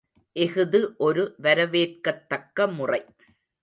இஃது ஒரு வரவேற்கத்தக்கமுறை.